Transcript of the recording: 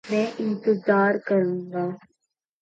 A recurrent inhibitory circuit is suggested on the output path.